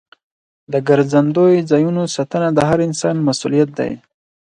د ګرځندوی ځایونو ساتنه د هر انسان مسؤلیت دی.